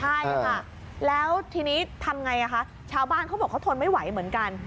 ใช่ค่ะแล้วทีนี้ทำไงคะชาวบ้านเขาบอกเขาทนไม่ไหวเหมือนกัน